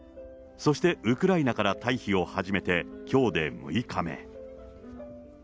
そしてウクライナから退避を始めてきょうで６日目。